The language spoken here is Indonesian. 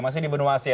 masih di benua asia